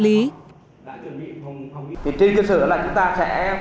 trên cơ sở đó là chúng ta sẽ